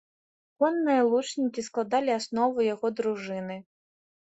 Конныя лучнікі складалі аснову яго дружыны.